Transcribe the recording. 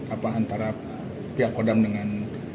apa antara pihak pihak